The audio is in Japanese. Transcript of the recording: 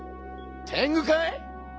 てんぐかい？